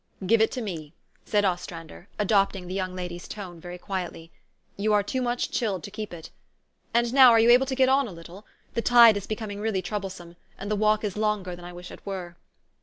" Give it to me," said Ostrander, adopting the young lady's tone very quietly. "You are too much chilled to keep it. And now are you able to get on a little ? The tide is becoming really trouble some ; and the walk is longer than I wish it were."